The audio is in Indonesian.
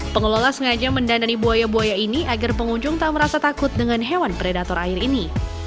pengelola sengaja mendandani buaya buaya ini agar pengunjung tak merasa takut dengan hewan predator air ini